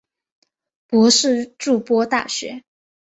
博士筑波大学。